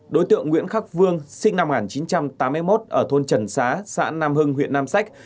đối tượng nguyễn khắc vương sinh năm một nghìn chín trăm tám mươi một ở thôn trần xá xã nam hưng huyện nam sách